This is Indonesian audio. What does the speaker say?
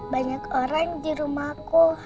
banyak orang di rumahku